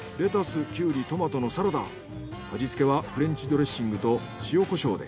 味付けはフレンチドレッシングと塩胡椒で。